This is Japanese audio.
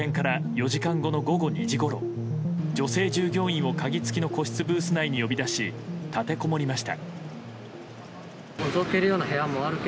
入店から４時間後の午後２時ごろ女性従業員を鍵付きの個室ブース内に呼び出し立てこもりました。